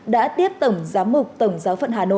đã tiếp tổng giám mục tổng giáo phận hà nội vũ văn nguyên